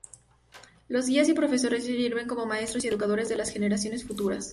Los guías y profesores sirven como maestros y educadores de las generaciones futuras.